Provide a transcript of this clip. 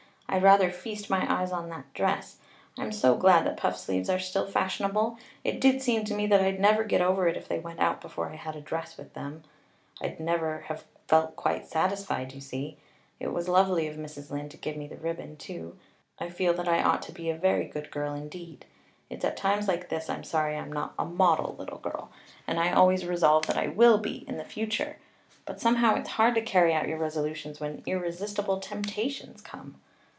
I'd rather feast my eyes on that dress. I'm so glad that puffed sleeves are still fashionable. It did seem to me that I'd never get over it if they went out before I had a dress with them. I'd never have felt quite satisfied, you see. It was lovely of Mrs. Lynde to give me the ribbon too. I feel that I ought to be a very good girl indeed. It's at times like this I'm sorry I'm not a model little girl; and I always resolve that I will be in future. But somehow it's hard to carry out your resolutions when irresistible temptations come.